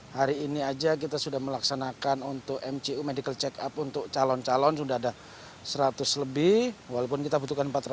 hari ini aja kita sudah melaksanakan untuk mcu medical check up untuk calon calon sudah ada seratus lebih walaupun kita butuhkan empat ratus